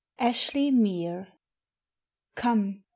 ASHLY MERE. Come!